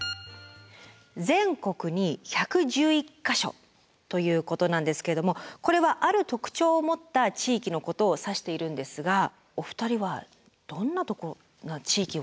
「全国に１１１か所」ということなんですけれどもこれはある特徴を持った地域のことを指しているんですがお二人はどんなところの地域を指していると思われますか？